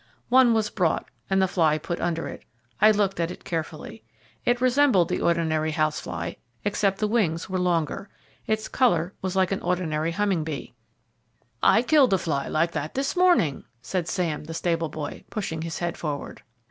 One was brought and the fly put under it. I looked at it carefully. It resembled the ordinary house fly, except that the wings were longer. Its colour was like an ordinary humming bee. "I killed a fly like that this morning," said Sam, the stable boy, pushing his head forward.